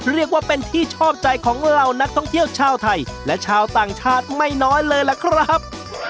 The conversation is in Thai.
เรียกว่าเป็นที่ชอบใจของเหล่านักท่องเที่ยวชาวไทยและชาวต่างชาติไม่น้อยเลยล่ะครับ